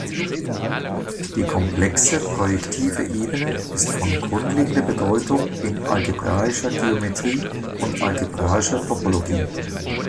Die komplexe projektive Ebene ist von grundlegender Bedeutung in algebraischer Geometrie und algebraischer Topologie.